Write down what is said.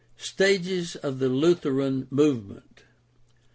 Stages of the Lutheran movement.